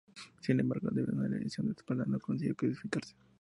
Sin embargo debido a una lesión de espalda no consiguió clasificarse.